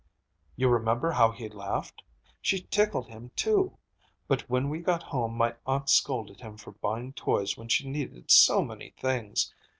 You remember how he laughed? She tickled him, too. But when we got home, my aunt scolded him for buying toys when she needed so many things.